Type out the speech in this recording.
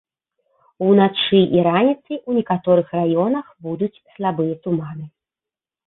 Уначы і раніцай у некаторых раёнах будуць слабыя туманы.